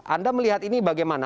anda melihat ini bagaimana